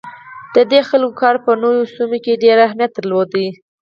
د دې خلکو کار په نوو سیمو کې ډیر اهمیت درلود.